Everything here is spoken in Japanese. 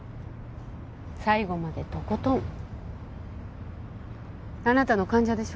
最後までとことんあなたの患者でしょ？